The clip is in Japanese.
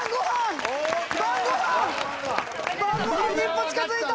晩ごはんに一歩近づいた！